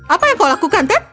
apa yang kau lakukan ted